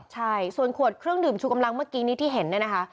ใช่ส่วนขวดเครื่องดื่มชูกำลังเมื่อกี้นี้ที่เห็นเนี่ยนะคะ